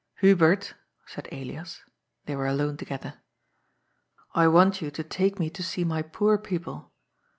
" Hubert," said Elias — they were alone together. " I want you to take me to see my poor people.